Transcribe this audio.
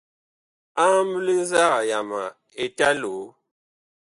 Amɓle nzag yama Eta Loo.